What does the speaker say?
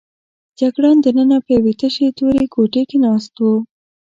جګړن دننه په یوې تشې تورې کوټې کې ناست و.